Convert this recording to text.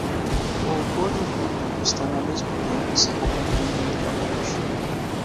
O autor e o público estão, ao mesmo tempo, se corrompendo mutuamente.